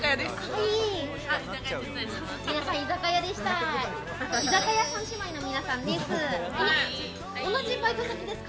居酒屋三姉妹の皆さんです。